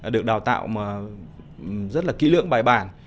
được đào tạo rất là kỹ lượng bài bản